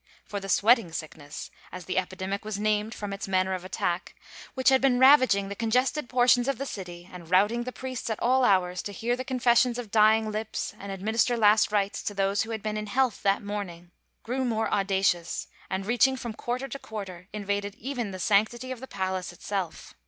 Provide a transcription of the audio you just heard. For the sweating sickness, as the epidemic was named from its manner of attack, which had been ravaging the con gested portions of the city and routing the priests at all hours to hear the confessions of dying lips and administer » last rites to those who had been in health that morning, grew more audacious, and reaching from quarter to 152 THE PESTILENCE quarter, invaded even the sanctity of the palace itself.